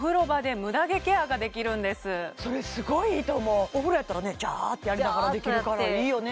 すごいいいと思うお風呂やったらねジャーッてやりながらできるからいいよね